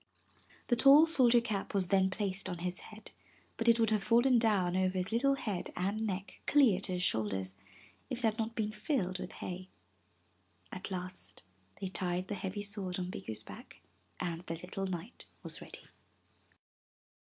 The tall soldier cap was then placed on his head, but it would have fallen down over his little head and neck clear to his shoulders, if it had not been filled with hay. At last they tied the heavy sword on Bikku's back and the little knight was ready.